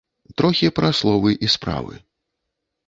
Трохі пра словы і справы.